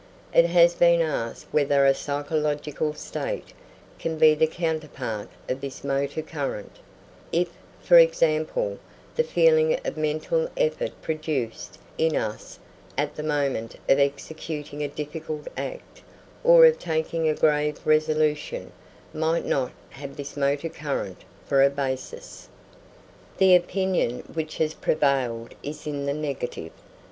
It has been asked whether a psychological state can be the counterpart of this motor current, if, for example, the feeling of mental effort produced in us at the moment of executing a difficult act or of taking a grave resolution, might not have this motor current for a basis. The opinion which has prevailed is in the negative.